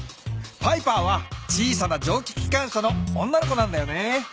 パイパーは小さなじょうききかん車の女の子なんだよね。